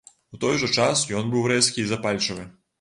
У той жа час ён быў рэзкі і запальчывы.